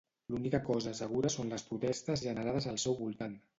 L'única cosa segura són les protestes generades al seu voltant.